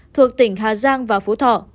thuộc tỉnh hà giang và phú thọ